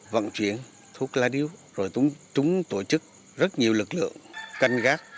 vận chuyển thuốc lá điếu rồi chúng tổ chức rất nhiều lực lượng canh gác